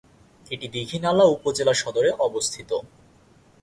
এটি দীঘিনালা উপজেলা সদরে অবস্থিত।